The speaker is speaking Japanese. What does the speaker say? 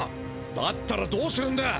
だったらどうするんだ！